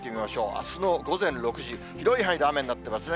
あすの午前６時、広い範囲で雨になっていますね。